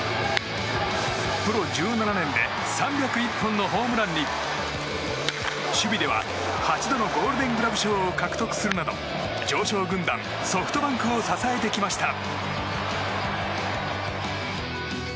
プロ１７年で３０１本のホームランに守備では８度のゴールデングラブ賞を獲得するなど常勝軍団ソフトバンクを支えてきました。